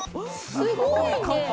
すごいね。